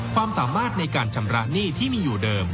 ความสามารถในการชำระหนี้ที่มีอยู่เดิม